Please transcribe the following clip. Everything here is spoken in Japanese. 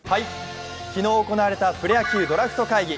昨日行われたプロ野球ドラフト会議。